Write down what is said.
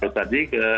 kalau tadi ke